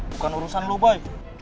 bukan urusan lo baik